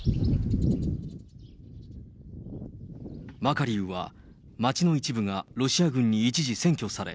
マカリウは、街の一部がロシア軍に一時占拠され、